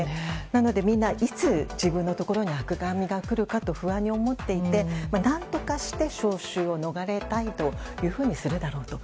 なのでみんないつ自分のところに赤紙が来るかと不安に思っていて、何とかして招集を逃れたいというふうにするだろうと。